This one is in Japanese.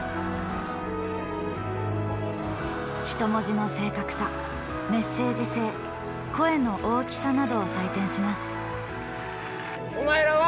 人文字の正確さメッセージ性声の大きさなどを採点します。